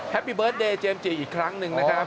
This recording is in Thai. แฮปปี้เบิร์สเดย์เจมส์จีตอีกครั้งหนึ่งนะครับ